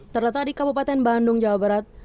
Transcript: terletak di kabupaten bandung jawa barat